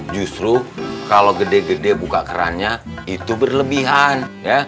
justru kalau gede gede buka kerannya itu berlebihan